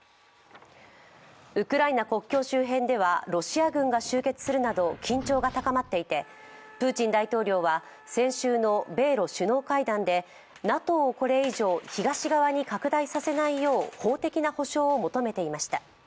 ウクライナ国境周辺では、ロシア軍が集結するなど緊張が高まっていてプーチン大統領は先週の米ロ首脳会談でＮＡＴＯをこれ以上、東側に拡大させないよう法的な保証を求めていました。